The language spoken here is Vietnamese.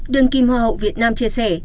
đường kim hoa hậu việt nam chia sẻ